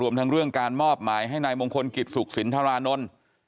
ทั้งเรื่องการมอบหมายให้นายมงคลกิจสุขสินทรานนท์